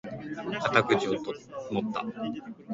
肩口を持った！